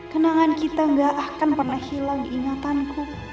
kenangan kita gak akan pernah hilang di ingatanku